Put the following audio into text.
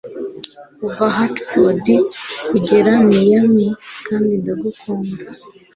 Kuva Hartford kugera Miami kandi ndagukunda